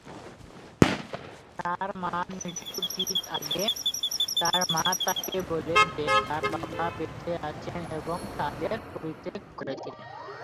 তার মার মৃত্যুর ঠিক আগে, তার মা তাকে বলে যে তার বাবা বেঁচে আছেন এবং তাদের পরিত্যাগ করেছিলেন।